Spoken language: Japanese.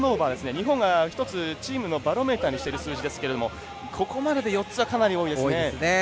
日本が一つチームのバロメーターにしている数字ですがここまでで４つはかなり多いですね。